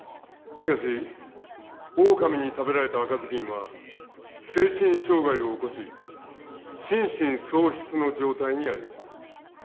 しかしオオカミに食べられた赤ずきんは精神障害を起こし心神喪失の状態にありました。